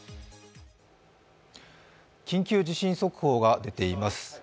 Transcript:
緊急地震速報が出ています。